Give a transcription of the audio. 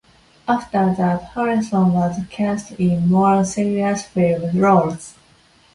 After that, Harrelson was cast in more serious film roles.